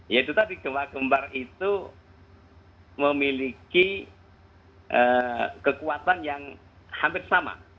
ya itu tadi gempa kembar itu memiliki kekuatan yang hampir sama